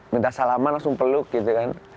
minta salaman langsung peluk gitu kan